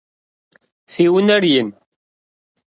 Фи унэр ин?